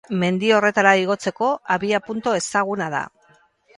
Mendi horretara igotzeko abiapuntu ezaguna da.